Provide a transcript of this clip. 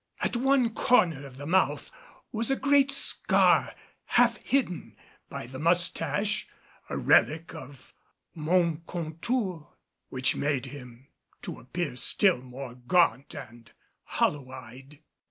At one corner of the mouth was a great scar half hidden by the mustache a relic of Montcontour which made him to appear still more gaunt and hollow eyed.